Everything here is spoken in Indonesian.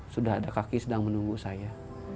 sudah ada kaki sedang menunggu saya